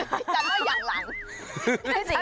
ฉันว่าอย่างหลัง